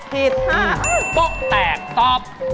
พ่อแตกตอบ